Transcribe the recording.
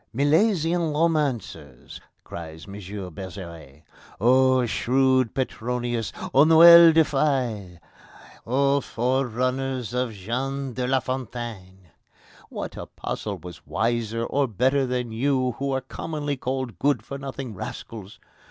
"Milesian romancers!" cried M. Bergeret. "O shrewd Petronius! O Noël du Fail! O forerunners of Jean de la Fontaine! What apostle was wiser or better than you, who are commonly called good for nothing rascals?